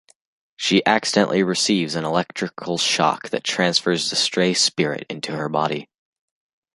She accidentally receives an electrical shock that transfers the stray spirit into her body.